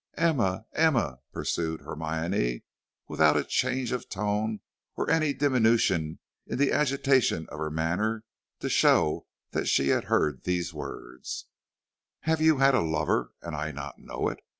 "Emma, Emma," pursued Hermione, without a change of tone or any diminution in the agitation of her manner to show that she had heard these words, "have you had a lover and I not know it?